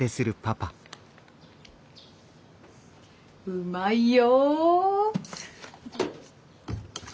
うまいよ。